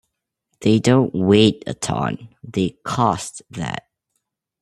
They don't weight a ton, they "cost" that.